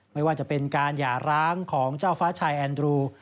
ไม่ว่าจะเป็นการหย่าร้างของเจ้าฟ้าชายแอนดรู